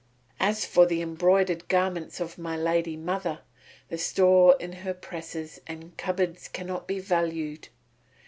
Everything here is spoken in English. "As for the embroidered garments of my lady mother, the store in her presses and cupboards cannot be valued.